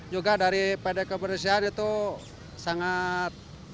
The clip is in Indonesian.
juga dari pd kebersihan itu sangat